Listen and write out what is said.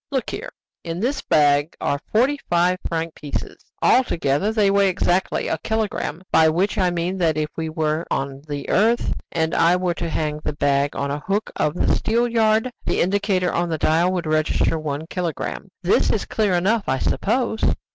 Look here! In this bag are forty five franc pieces altogether they weigh exactly a kilogramme; by which I mean that if we were on the earth, and I were to hang the bag on the hook of the steelyard, the indicator on the dial would register one kilogramme. This is clear enough, I suppose?"